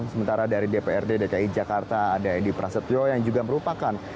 sementara dari dprd dki jakarta ada edi prasetyo yang juga merupakan